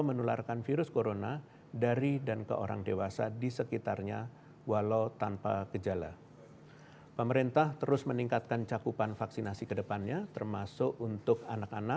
melakukan exit test atau tes ulang